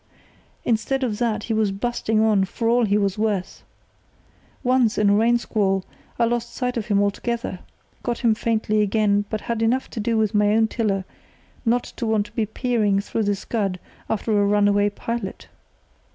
Instead of that he was busting on for all he was worth. Once, in a rain squall, I lost sight of him altogether; got him faintly again, but had enough to do with my own tiller not to want to be peering through the scud after a runaway pilot.